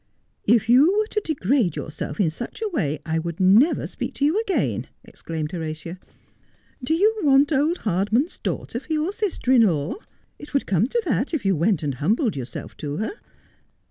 ' If you were to degrade yourself in such a way I would never speak to you again,' exclaimed Horatia. ' Do you want old Hardman's daughter for your sister in law ? It would come to that if you went and humbled yourself to her.